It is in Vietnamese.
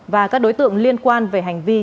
và các đối tượng liên quan về hành vi